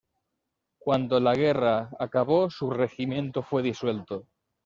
Cuando la guerra acabó, su regimiento fue disuelto.